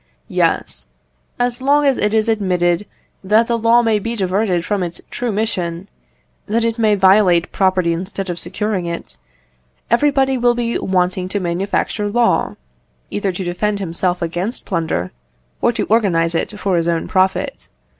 Yes, as long as it is admitted that the law may be diverted from its true mission, that it may violate property instead of securing it, everybody will be wanting to manufacture law, either to defend himself against plunder, or to organise it for his own profit.